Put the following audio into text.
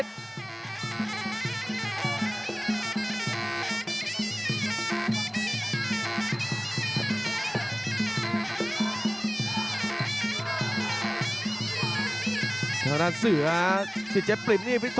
โดยผลตำรวจตีกระบวนสันติกรรมบุตร